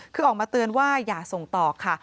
คือออกมาเตือนว่าอย่าส่งต่อค่ะ